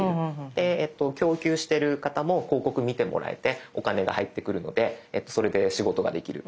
で供給してる方も広告見てもらえてお金が入ってくるのでそれで仕事ができる。